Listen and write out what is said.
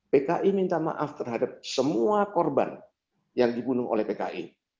pki minta maaf terhadap semua korban yang dibunuh oleh pki